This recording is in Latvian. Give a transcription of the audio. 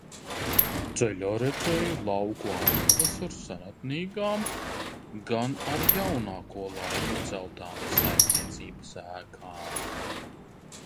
Ceļā redzēju lauku ainavas ar senatnīgām, gan ar jaunāko laiku celtām saimniecības ēkām.